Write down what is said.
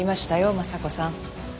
昌子さん。